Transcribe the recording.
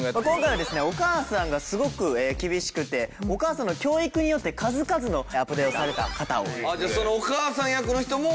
今回はですねお母さんがすごく厳しくてお母さんの教育によって数々のアプデをされた方を。